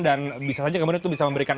dan bisa saja kemudian itu bisa memberikan